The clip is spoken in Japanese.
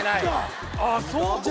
あそう？